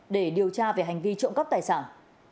để điều tra về hành vi trộm cắp tài sản